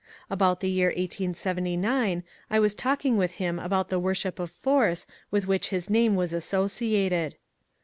" About the year 1879 I was talk ing with him about the worship of Force with which his name was associated.